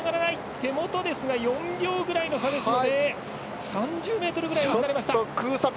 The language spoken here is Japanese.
手元ですが４秒ぐらいの差ですので３０ｍぐらい離れました。